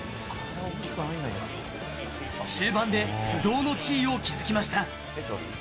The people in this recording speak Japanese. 中盤で不動の地位を築きました。